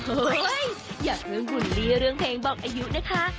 โอ๊ยอย่าเพิ่งหุ่นเรียเรื่องเพลงบอกอายุนะคะ